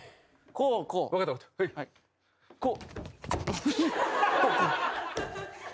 こうこう。